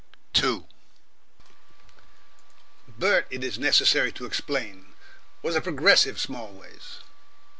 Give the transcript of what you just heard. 2 Bert, it is necessary to explain, was a progressive Smallways.